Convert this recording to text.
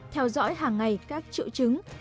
theo dõi hàng ngày các triệu chứng